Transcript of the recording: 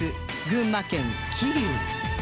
群馬県桐生